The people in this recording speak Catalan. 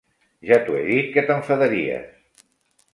- Ja t'ho he dit que t'enfadaries.